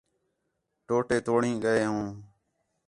ٹوٹے توڑیں ڳئے ہوں